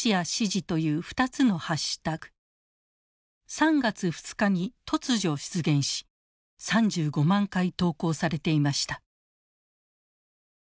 ３月２日に突如出現し３５万回投稿されていました。